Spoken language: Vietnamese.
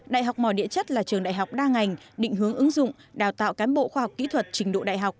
đại học mỏ địa chất là trường đại học đa ngành định hướng ứng dụng đào tạo cán bộ khoa học kỹ thuật trình độ đại học